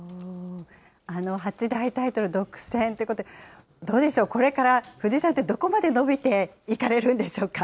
八大タイトル独占ということで、どうでしょう、これから藤井さんってどこまで伸びていかれるんでしょうか。